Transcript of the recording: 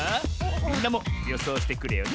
みんなもよそうしてくれよな